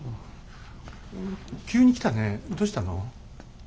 急に来たねどうしたの？